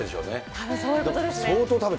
たぶんそういうことですね。